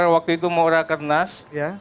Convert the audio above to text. waktu itu mau rakernas